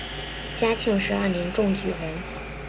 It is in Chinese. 嘉庆十二年中举人。